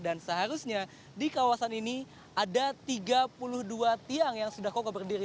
dan seharusnya di kawasan ini ada tiga puluh dua tiang yang sudah kokoh berdiri